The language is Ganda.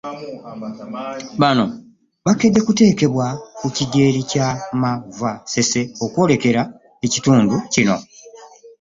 Bano, bakedde kuteekebwa ku kidyeri kya MV Ssese okwolekera ekitundu kino.